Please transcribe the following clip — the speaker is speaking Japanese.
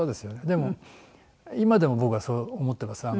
でも今でも僕はそう思ってます。